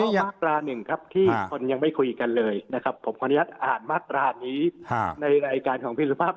มาตราหนึ่งครับที่คนยังไม่คุยกันเลยนะครับผมขออนุญาตอ่านมาตรานี้ในรายการของพี่สุภาพ